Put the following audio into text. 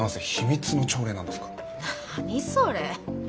何それ。